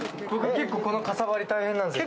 結構このかさばり大変なんですよ。